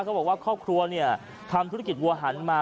เขาบอกว่าครอบครัวเนี่ยทำธุรกิจวัวหันมา